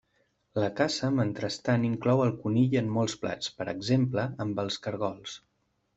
La caça mentrestant inclou el conill en molts plats, per exemple amb els caragols.